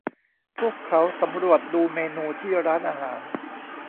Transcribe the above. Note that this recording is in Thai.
พวกเขาสำรวจดูเมนูที่ร้านอาหาร